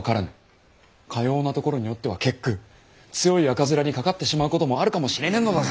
かようなところにおっては結句強い赤面にかかってしまうこともあるかもしれぬのだぞ。